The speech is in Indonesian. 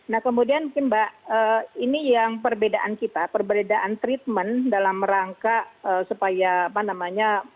nah kemudian mungkin mbak ini yang perbedaan kita perbedaan treatment dalam rangka supaya apa namanya